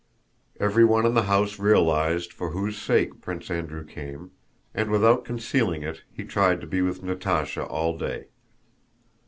Everyone in the house realized for whose sake Prince Andrew came, and without concealing it he tried to be with Natásha all day.